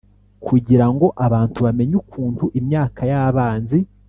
kugira ngo abantu bamenye ukuntu imyaka y’abanzi